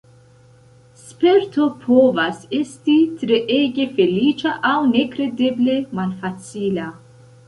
Sperto povas esti treege feliĉa aŭ nekredeble malfacila.